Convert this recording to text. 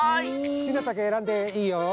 すきなたけえらんでいいよ。